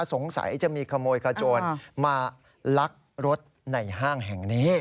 สงสัยจะมีขโมยขโจรมาลักรถในห้างแห่งนี้